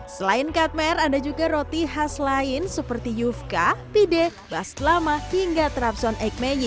selain katmer ada juga roti khas lain seperti yufka pide bastlama hingga trapson ekmeyi